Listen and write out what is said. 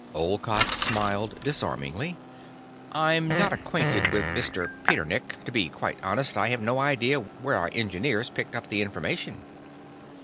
Olcott smiled disarmingly. "I'm not acquainted with Mr. Petternek; to be quite honest, I have no idea where our engineers picked up the information."